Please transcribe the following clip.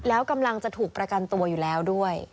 แล้วกำลังจะถูกประกันตัวอยู่แล้วด้วย